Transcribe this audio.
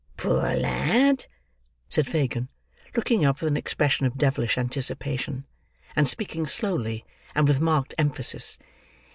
Poor lad!" said Fagin, looking up with an expression of devilish anticipation, and speaking slowly and with marked emphasis.